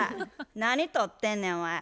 何撮ってんねんお前？